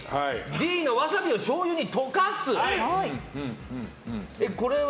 Ｄのワサビをしょうゆに溶かす。